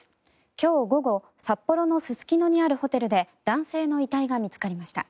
今日午後、札幌のすすきのにあるホテルで男性の遺体が見つかりました。